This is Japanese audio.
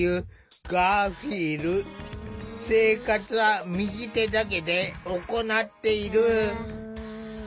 生活は右手だけで行っている。